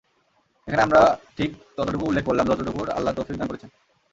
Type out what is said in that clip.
এখানে আমরা ঠিক ততটুকু উল্লেখ করলাম, যতটুকুর আল্লাহ তাওফীক দান করেছেন।